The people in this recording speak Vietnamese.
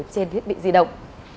trên thiết bị di động